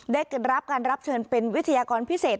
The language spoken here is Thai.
ได้รับการรับเชิญเป็นวิทยากรพิเศษ